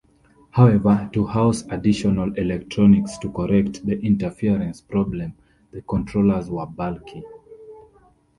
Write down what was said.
However, to house additional electronics to correct the interference problem, the controllers were bulky.